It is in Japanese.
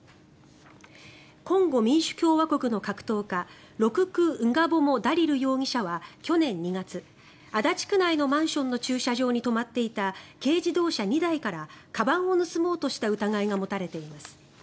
コンゴ民主共和国の格闘家ロクク・ンガボモ・ダリル容疑者は去年２月、足立区内のマンションの駐車場に止まっていた軽自動車２台からかばんを盗もうとした疑いが持たれています。